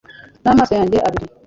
n'amaso yanjye abiri